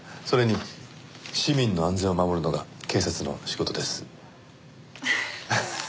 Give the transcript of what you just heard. それに市民の安全を守るのが警察の仕事です。